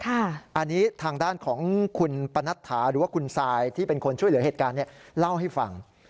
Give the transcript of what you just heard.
อันนี้ทางด้านของคุณปนัดถาหรือว่าคุณซายที่เป็นคนช่วยเหลือเหตุการณ์เล่าให้ฟัง